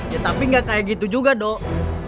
ya tapi gak kayak gitu juga doh